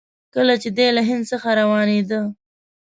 کله چې دی له هند څخه روانېده.